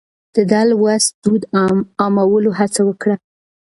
ده د لوست دود عامولو هڅه وکړه.